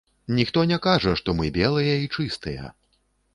Ніхто не кажа, што мы белыя і чыстыя.